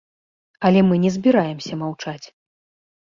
Але мы не збіраемся маўчаць.